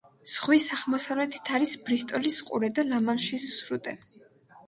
ზღვის აღმოსავლეთით არის ბრისტოლის ყურე და ლა-მანშის სრუტე.